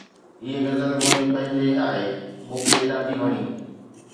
هيءَ غزل منهنجي پنهنجي آهي، مون کي ڏاڍي وڻي